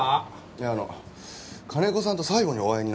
いやあの金子さんと最後にお会いになったのは？